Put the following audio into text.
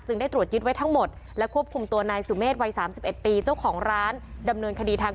จึงได้ตรวจยิดไว้ทั้งหมดและควบคุมตัวนายสูงเมษวัยสามสี่เอ็ดปีเจ้าของล้านดำหน่วยคดีทาง